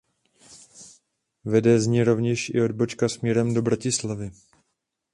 Vede z ní rovněž i odbočka směrem do Bratislavy.